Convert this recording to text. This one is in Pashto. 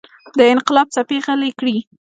د انقلاب څپې غلې کړي.